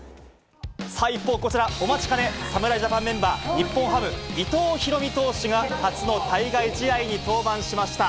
一方、こちらお待ちかね、侍ジャパンメンバー、日本ハム、伊藤大海投手が初の対外試合に登板しました。